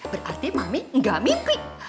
berarti mami nggak mimpi